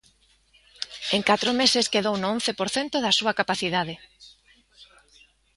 En catro meses quedou no once por cento da súa capacidade.